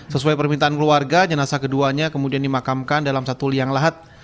sesuai permintaan keluarga jenazah keduanya kemudian dimakamkan dalam satu liang lahat